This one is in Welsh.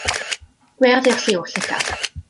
Gwyrdd yw lliw'r llygad.